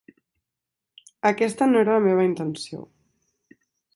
Aquesta no era la meva intenció.